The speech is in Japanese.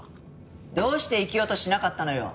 どうして生きようとしなかったのよ！